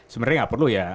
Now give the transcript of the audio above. sebenarnya nggak perlu ya